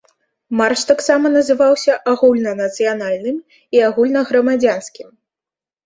Марш таксама называўся агульнанацыянальным і агульнаграмадзянскім.